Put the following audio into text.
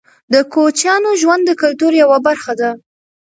د کوچیانو ژوند د کلتور یوه برخه ده.